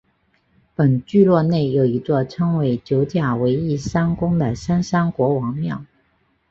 本聚落内有一座称为九甲围义山宫的三山国王庙。